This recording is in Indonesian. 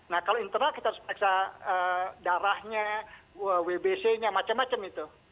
nah kalau internal kita harus periksa darahnya wbc nya macam macam itu